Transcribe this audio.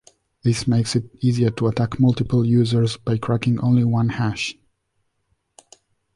This makes it easier to attack multiple users by cracking only one hash.